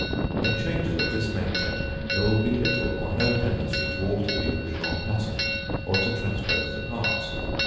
In changes of this nature, there will be little or no tendency to alter the original pattern, or to transpose the parts.